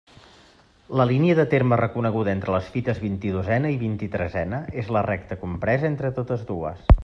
La línia de terme reconeguda entre les fites vint-i-dosena i vint-i-tresena és la recta compresa entre totes dues.